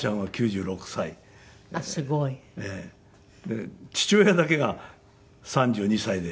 で父親だけが３２歳で。